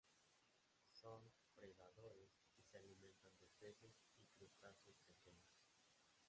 Son predadores y se alimentan de peces y crustáceos pequeños.